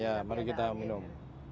ya mari kita minum